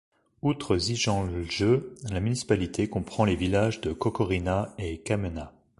Outre Zijemlje, la municipalité comprend les villages de Kokorina et Kamena.